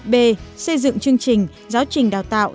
b xây dựng chương trình giáo trình đào tạo